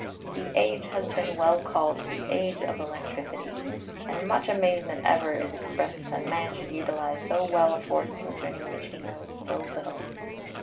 The Age has been well called the Age of Electricity, and much amazement ever is expressed that Man should utilize so well a force concerning which he knows so little.